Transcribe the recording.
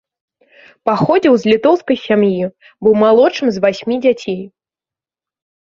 Паходзіў з літоўскай сям'і, быў малодшым з васьмі дзяцей.